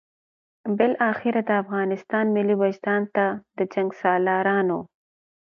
بالاخره د افغانستان ملي وجدان ته د جنګسالارانو.